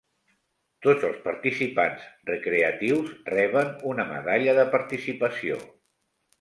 Tots els participants recreatius reben una medalla de participació.